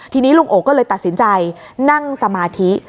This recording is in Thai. ทีนี้ลุงโอก็เลยตัดสินใจนั่งสมาธิ